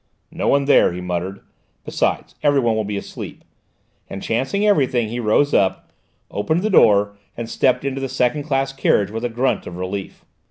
"No one there," he muttered. "Besides, everyone will be asleep," and, chancing everything, he rose up, opened the door, and stepped into the second class carriage with a grunt of relief.